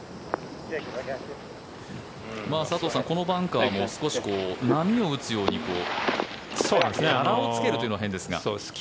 佐藤さん、このバンカーも少し波を打つように柄をつけるというのは変ですが。